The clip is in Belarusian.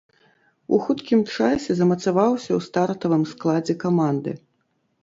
У хуткім часе замацаваўся ў стартавым складзе каманды.